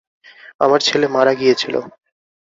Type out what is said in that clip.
আমার ছেলে মারা গিয়েছিলো।